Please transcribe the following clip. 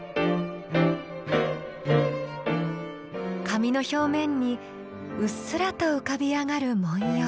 紙の表面にうっすらと浮かび上がる文様。